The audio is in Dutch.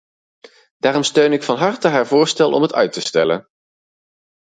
Daarom steun ik van harte haar voorstel om het uit te stellen.